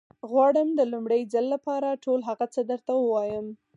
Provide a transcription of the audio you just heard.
غواړم د لومړي ځل لپاره ټول هغه څه درته ووايم.